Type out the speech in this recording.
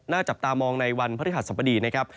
จับตามองในวันพฤหัสสบดีนะครับ